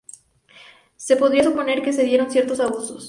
Se podría suponer que se dieron ciertos abusos.